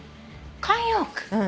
慣用句？